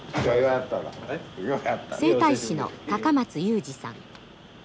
整体師の高松勇二さん。